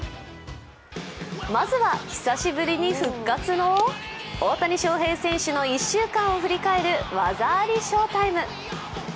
まずは、久しぶりに復活の大谷翔平選手の一週間を振り返る「技ありＳＨＯ−ＴＩＭＥ」。